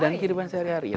dan kehidupan sehari hari